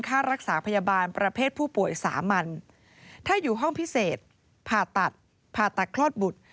ค่ารักษาพยาบาลประเภทผู้ป่วยสามัญถ้าอยู่ห้องพิเศษผ่าตัดผ่าตัดคลอดบุตร